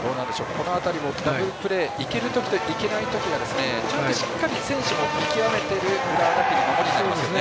この辺りもダブルプレーいける時と、いけない時ちゃんとしっかり選手も見極めている浦和学院の守りになりますね。